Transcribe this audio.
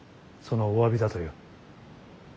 そのおわびだとよ。